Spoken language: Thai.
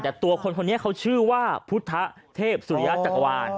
แต่ตัวคนคนนี้เขาชื่อว่าพุทธเทพสุริยะจักรวาล